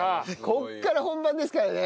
ここから本番ですからね。